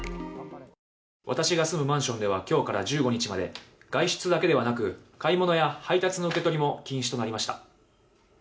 私が住むマンションでは今日から１５日まで外出だけではなく、買い物や配達の受け取りも禁止となりました。